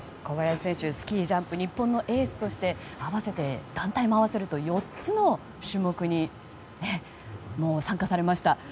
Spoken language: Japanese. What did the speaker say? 小林選手、スキージャンプ日本のエースとして団体も合わせると４つの種目に参加されました。